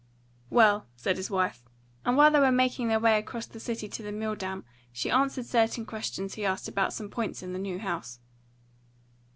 "Well," said his wife; and while they were making their way across the city to the Milldam she answered certain questions he asked about some points in the new house.